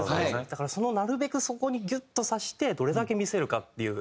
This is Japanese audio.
だからなるべくそこにギュッとさせてどれだけ見せるかっていう。